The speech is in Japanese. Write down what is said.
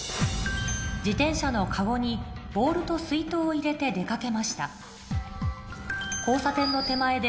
自転車のカゴにボールと水とうを入れて出掛けました